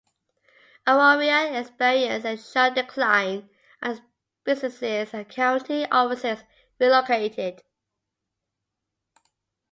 Auraria experienced a sharp decline as businesses and county offices relocated.